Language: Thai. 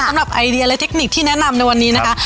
ไอเดียและเทคนิคที่แนะนำในวันนี้นะคะ